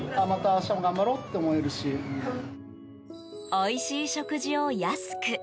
おいしい食事を安く。